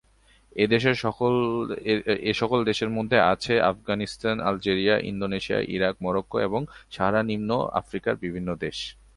এসকল দেশের মধ্যে আছে Afghanistan, Algeria, Indonesia, Iraq, Morocco, এবং সাহারা-নিম্ন আফ্রিকার বিভিন্ন দেশ।